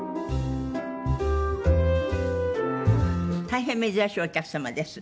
大変珍しいお客様です。